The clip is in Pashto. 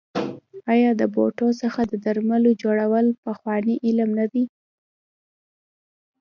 آیا د بوټو څخه د درملو جوړول پخوانی علم نه دی؟